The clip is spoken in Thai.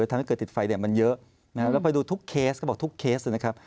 ทำให้เกิดติดไฟมันเยอะแล้วไปดูทุกเคสก็บอกทุกเคสนะครับ